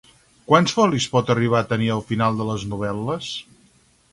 Quants folis pot arribar a tenir el final de les novel·les?